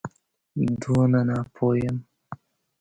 دونه ناپوه یم.